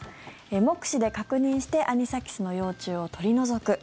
目視で確認してアニサキスの幼虫を取り除く。